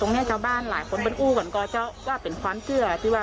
ก็จะลูกสาวป่า